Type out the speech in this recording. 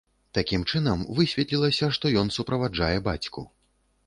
Такім чынам, высветлілася, што ён суправаджае бацьку.